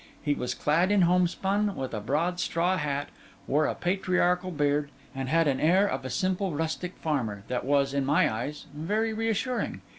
He was clad in homespun, with a broad straw hat; wore a patriarchal beard; and had an air of a simple rustic farmer, that was, in my eyes, very reassuring.